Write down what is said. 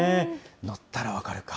乗ったら分かるか。